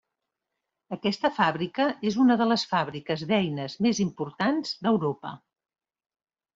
Aquesta fàbrica és una de les fàbriques d'eines més importants d'Europa.